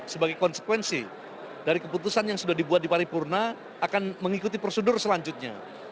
sebagai konsekuensi dari keputusan yang sudah dibuat di paripurna akan mengikuti prosedur selanjutnya